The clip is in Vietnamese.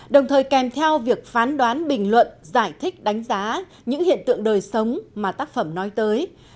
đồng thời kèm theo việc phán đoán bình luận giải thích đánh giá những hiện tượng đời sống mà tác phẩm nói tới